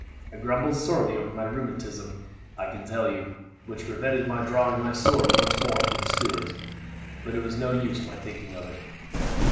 I grumbled sorely over my rheumatism, I can tell you, which prevented my drawing my sword once more for the Stuarts; but it was no use my thinking of it."